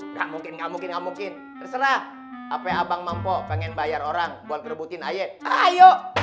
nggak mungkin nggak mungkin nggak mungkin terserah apa abang mampo pengen bayar orang buat rebutin ayo